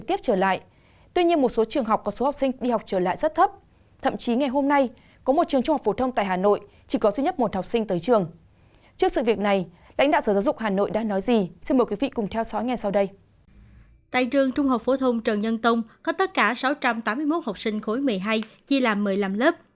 tại trường trung học phổ thông trần nhân tông có tất cả sáu trăm tám mươi một học sinh khối một mươi hai chia làm một mươi năm lớp